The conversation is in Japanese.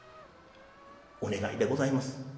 お願いでございます。